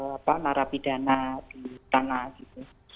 apa narapidana di sana gitu